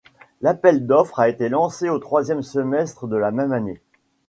L'appel d'offres a été lancé au troisième semestre de la même année.